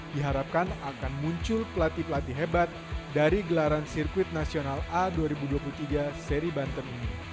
diharapkan akan muncul pelatih pelatih hebat dari gelaran sirkuit nasional a dua ribu dua puluh tiga seri banten ini